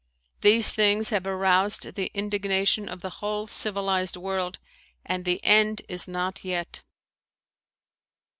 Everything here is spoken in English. These things have aroused the indignation of the whole civilized world and the end is not yet.